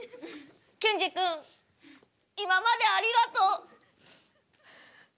ケンジ君今までありがとう。